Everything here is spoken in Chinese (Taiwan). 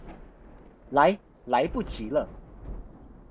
來、來不及了